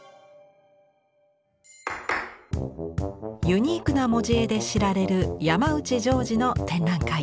ユニークな文字絵で知られる山内ジョージの展覧会。